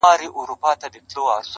زاهده مه راوړه محفل ته توبه ګاري کیسې-